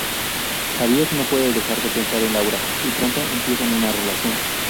Javier no puede dejar de pensar en Laura y pronto empiezan una relación.